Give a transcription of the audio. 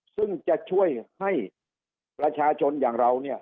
ซึ่งจะช่วยให้ประชาชนอย่างเราเนี่ย